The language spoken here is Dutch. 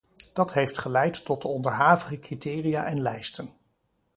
Dat heeft geleid tot de onderhavige criteria en lijsten.